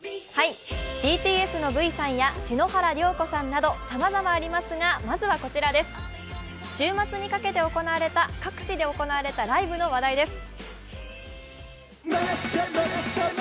ＢＴＳのＶさんや篠原涼子さんなどさまざまありますが、まずはこちらです、週末にかけて各地で行われたライブの話題です。